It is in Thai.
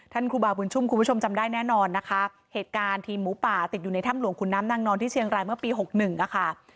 ครูบาบุญชุ่มคุณผู้ชมจำได้แน่นอนนะคะเหตุการณ์ทีมหมูป่าติดอยู่ในถ้ำหลวงขุนน้ำนางนอนที่เชียงรายเมื่อปีหกหนึ่งอะค่ะ